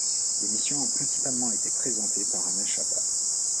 L'émission a principalement été présentée par Alain Chabat.